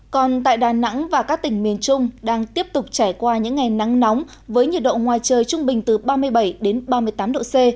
còn tại đà nẵng và các tỉnh miền trung đang tiếp tục trải qua những ngày nắng nóng với nhiệt độ ngoài trời trung bình từ ba mươi bảy đến ba mươi tám độ c